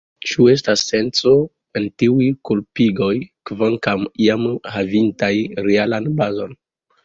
Ĉu estas senco en tiuj kulpigoj, kvankam iam havintaj realan bazon?